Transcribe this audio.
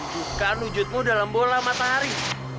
bukan wujudmu dalam bola matahari